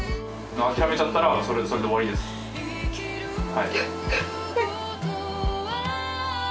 はい。